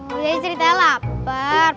kayak ceritanya lapar